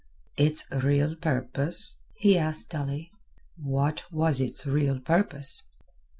"Its real purpose?" he asked dully. "What was its real purpose?"